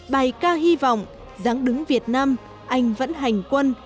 bài ca hy vọng giáng đứng việt nam anh vẫn hành quân